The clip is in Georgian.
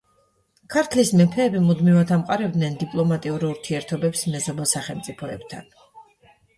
ქართლის მეფეები მუდმივად ამყარებდნენ დიპლომატიურ ურთიერთობებს მეზობელ სახელმწიფოებთან.